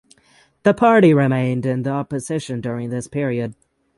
The party remained in opposition during this period.